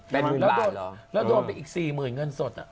เป็นหมุนหลายเหรอแล้วโดนไปอีก๔๐๐๐๐เงื่อนสด